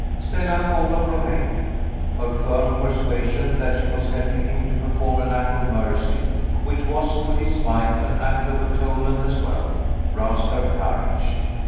Stella thought of Romayne. Her firm persuasion that she was helping him to perform an act of mercy, which was (to his mind) an act of atonement as well, roused her courage.